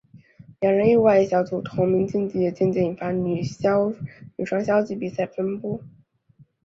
两人意外以小组头名晋级也间接引发女双消极比赛风波。